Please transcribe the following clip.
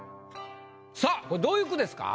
さぁこれどういう句ですか？